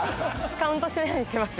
カウントしないようにしてます